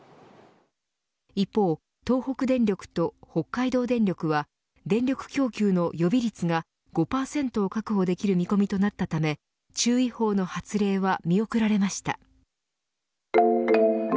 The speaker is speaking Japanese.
一方、東北電力と北海道電力は電力供給の予備率が５％を確保できる見込みとなったため注意報の発令は見送られました。